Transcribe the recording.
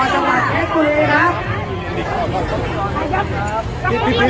ขอบคุณมากนะคะแล้วก็แถวนี้ยังมีชาติของ